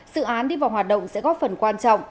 dự án đi vào hoạt động sẽ góp phần quan trọng